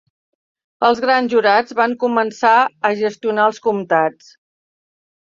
Els grans jurats van començar a gestionar els comptats.